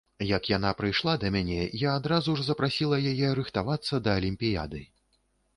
Як яна прыйшла да мяне, я адразу ж запрасіла яе рыхтавацца да алімпіяды.